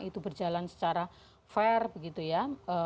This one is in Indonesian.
itu berjalan secara fair begitu ya